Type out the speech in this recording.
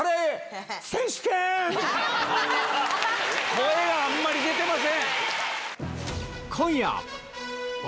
声があんまり出てません！